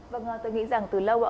vâng tôi nghĩ rằng từ lâu